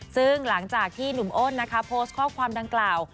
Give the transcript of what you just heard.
ซึ่งหลังจากที่หนุ่มอ้นนะคะโพสต์ข้อความดังกล่าว